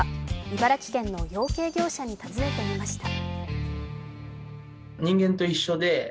茨城県の養鶏業者に尋ねてみました。